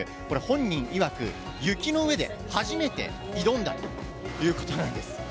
これ、本人いわく、雪の上で初めて挑んだということなんです。